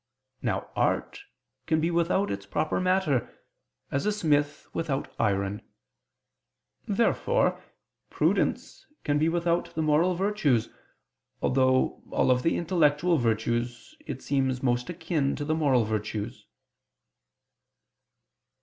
Now art can be without its proper matter, as a smith without iron. Therefore prudence can be without the moral virtues, although of all the intellectual virtues, it seems most akin to the moral virtues.